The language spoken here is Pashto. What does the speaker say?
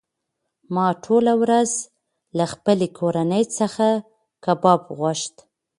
ما ټوله ورځ له خپلې کورنۍ څخه کباب غوښت.